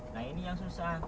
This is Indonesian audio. nah ini yang susah